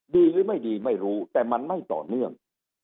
ดีหรือไม่ดีไม่รู้แต่มันไม่ต่อเนื่อง